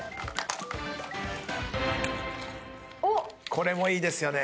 これもいいですよね。